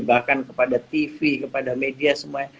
bahkan kepada tv kepada media semuanya